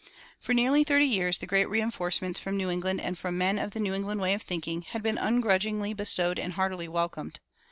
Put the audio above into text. For nearly thirty years the great reinforcements from New England and from men of the New England way of thinking had been ungrudgingly bestowed and heartily welcomed.